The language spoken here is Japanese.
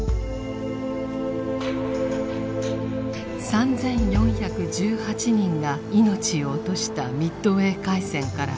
３４１８人が命を落としたミッドウェー海戦から８１年。